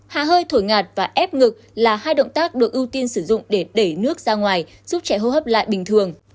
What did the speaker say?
hà hơi thổi ngạt và ép ngực là hai động tác được ưu tiên sử dụng để đẩy nước ra ngoài giúp trẻ hô hấp lại bình thường